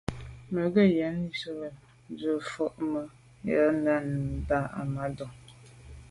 Mə́ gə̀ yɔ̌ŋ yə́ mû' nsî vwá mə̀ yə́ á ndǎ' Ahmadou.